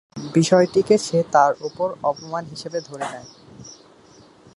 বিষয়টিকে সে তার ওপর অপমান হিসেবে ধরে নেয়।